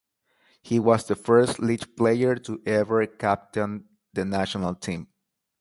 He was the first Lech player to ever captain the national team.